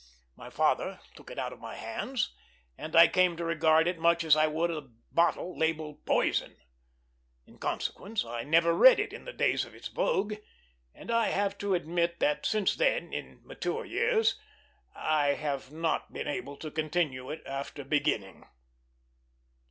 My father took it out of my hands, and I came to regard it much as I would a bottle labelled "Poison." In consequence I never read it in the days of its vogue, and I have to admit that since then, in mature years, I have not been able to continue it after beginning.